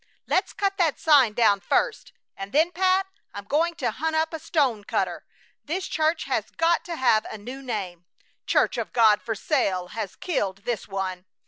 Let's cut that sign down first, and then, Pat, I'm going to hunt up a stone cutter. This church has got to have a new name. 'Church of God for sale' has killed this one!